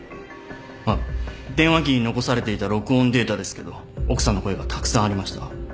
あっ電話機に残されていた録音データですけど奥さんの声がたくさんありました。